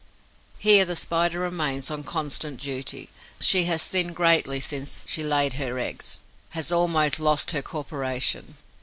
Here the Spider remains on constant duty. She has thinned greatly since she laid her eggs, has almost lost her corporation.